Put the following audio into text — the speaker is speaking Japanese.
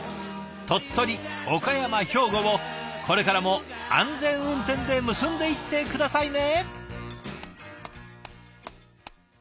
鳥取岡山兵庫をこれからも安全運転で結んでいって下さいね。